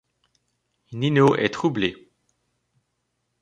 Nino est troublé.